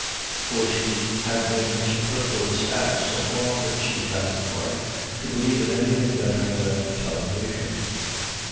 For she had been a superfluous aunt so long that she found it hard to believe in anything better than toleration.